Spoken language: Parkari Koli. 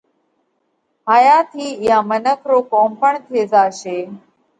هايا ٿِي اِيئا منک رو ڪوم پڻ ٿِي زاشي،